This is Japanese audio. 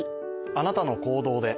あなたの行動で。